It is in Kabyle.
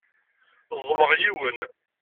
Ẓẓmeɣ yiwen.